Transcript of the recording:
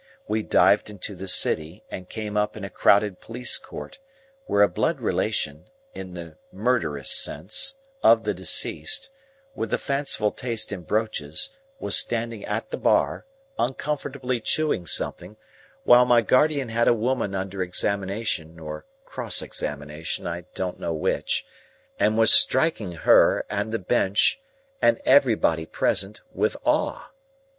We dived into the City, and came up in a crowded police court, where a blood relation (in the murderous sense) of the deceased, with the fanciful taste in brooches, was standing at the bar, uncomfortably chewing something; while my guardian had a woman under examination or cross examination,—I don't know which,—and was striking her, and the bench, and everybody present, with awe.